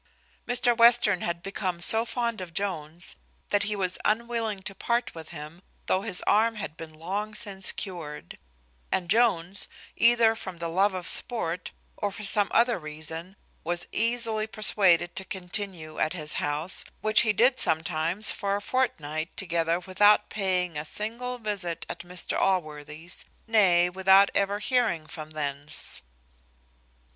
Mr Western was become so fond of Jones that he was unwilling to part with him, though his arm had been long since cured; and Jones, either from the love of sport, or from some other reason, was easily persuaded to continue at his house, which he did sometimes for a fortnight together without paying a single visit at Mr Allworthy's; nay, without ever hearing from thence.